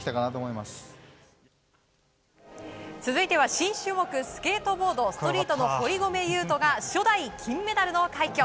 新種目、スケートボードストリートの堀米雄斗が初代金メダルの快挙。